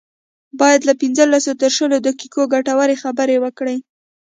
بايد له پنځلسو تر شلو دقيقو ګټورې خبرې وکړي.